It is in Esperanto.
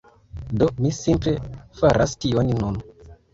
Do, mi simple faras tion nun